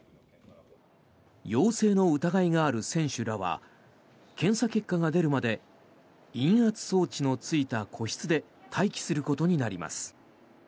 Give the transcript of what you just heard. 陽性の疑いがある選手らは検査結果が出るまで陰圧装置のついた個室で待機することになります。